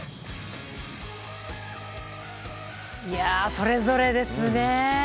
それぞれですね。